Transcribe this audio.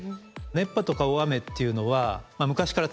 熱波とか大雨っていうのは昔からたまに起きる。